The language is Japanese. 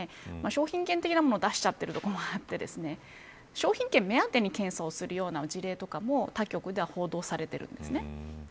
商品券的なものを出しちゃってるところもあって商品券目当てに検査をするような事例とかも他局では報道されているんですね。